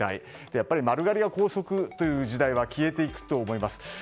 やっぱり丸刈りが校則という時代は消えていくと思います。